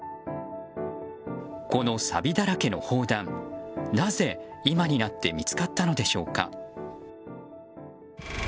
この、さびだらけの砲弾なぜ今になって見つかったのでしょうか。